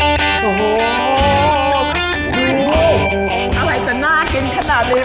โอ้โหดูอะไรจะน่ากินขนาดนี้ไม่มีอีกหรอ